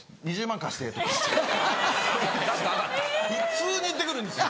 普通に言って来るんですよ。